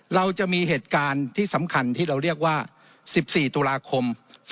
เราจะมีเหตุการณ์ที่สำคัญที่เราเรียกว่า๑๔ตุลาคม๒๕๖